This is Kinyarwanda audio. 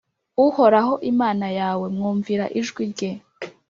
uhoraho imana yawe, mwumvira ijwi rye